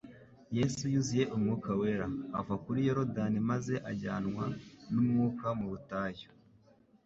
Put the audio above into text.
«Yesu, yuzuye Umwuka wera, ava kuri Yorodani maze ajyanwa n'Umwuka mu butayu.»